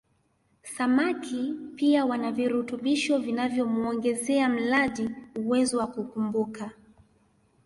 Samaki pia wana virutubisho vinavyomuongezea mlaji uwezo wa kukumbuka